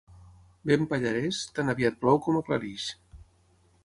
Vent pallarès, tan aviat plou com aclareix.